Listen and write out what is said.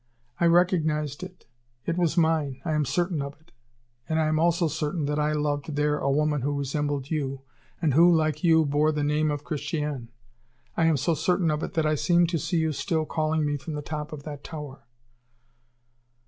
I recognized it it was mine, I am certain of it! And I am also certain that I loved there a woman who resembled you, and who, like you, bore the name of Christiane. I am so certain of it that I seem to see you still calling me from the top of that tower.